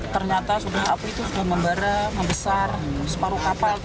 ternyata api itu sudah membara membesar separuh kapal